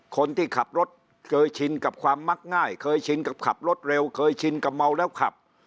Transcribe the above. คนที่ขับรถเคยชินกับความมักง่ายเคยชินกับขับรถเร็วเคยชินกับเมาแล้วขับ